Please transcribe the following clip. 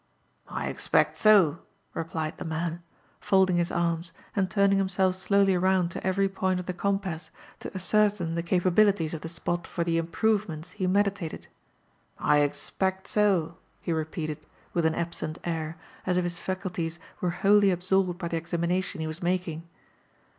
"I expect so," replied the man, folding his arms, and turning himself slowly round to every point of the compass to ascertain the capabilities of the spot for the "improvements" he meditated. "I expect so," he repeated with an absent air, as if his faculties were wholly absorbed by the examination he was making.